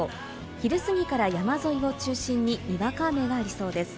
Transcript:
昼すぎから山沿いを中心ににわか雨がありそうです。